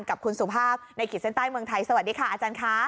กับคุณสุภาพในขีดเส้นใต้เมืองไทยสวัสดีค่ะอาจารย์ค่ะ